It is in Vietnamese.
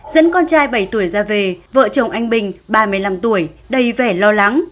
dẫn con trai bảy tuổi ra về vợ chồng anh bình ba mươi năm tuổi đầy vẻ lo lắng